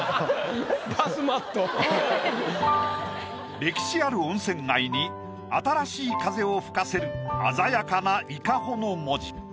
歴史ある温泉街に新しい風を吹かせる鮮やかな「ＩＫＡＨＯ」の文字。